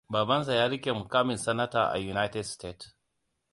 Babansa ya rike mukamin Sanata a United Stated.